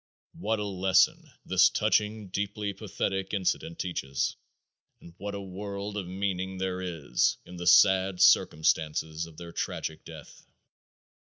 What a lesson this touching, deeply pathetic incident teaches and what a world of meaning there is in the sad circumstances of their tragic death!